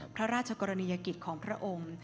พระราชกรณียกิจของพระองค์